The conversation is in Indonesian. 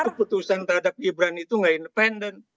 keputusan tadak gibran itu tidak independen